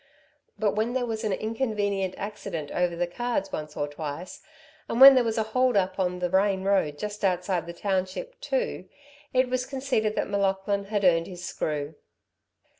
But when there was an inconvenient accident over the cards once or twice, and when there was a hold up on the Rane road just outside the township, too, it was conceded that M'Laughlin had earned his screw.